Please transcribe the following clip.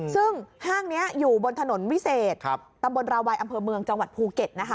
ซึ่งห้างนี้อยู่บนถนนวิเศษตำบลราวัยอำเภอเมืองจังหวัดภูเก็ตนะคะ